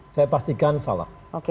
saya pastikan salah